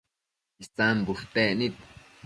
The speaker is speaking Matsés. Isan bushtec nid